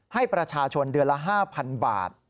ให้ประชาชนเดือนละ๕๐๐๐บาท